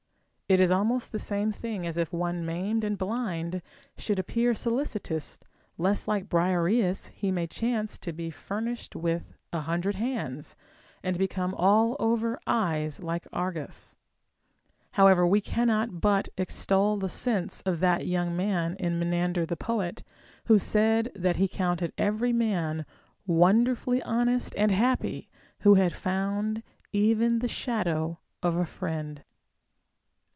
It is almost the same thing as if one maimed and blind should appear solicitous lest like Briareus he may chance to be furnished with a hundred hands, and become all over eyes like Argus. However, we cannot but extol the sense of that young man in Me nander the poet, who said that he counted every man wonderfully honest and happy who had found even the shadow of a friend.